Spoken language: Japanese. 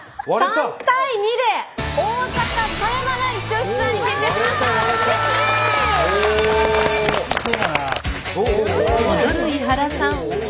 ３対２で大阪狭山がイチオシツアーに決定しました。